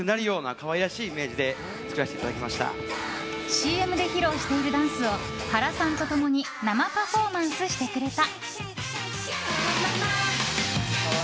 ＣＭで披露しているダンスを原さんと共に生パフォーマンスしてくれた。